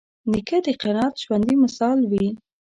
نیکه د قناعت ژوندي مثال وي.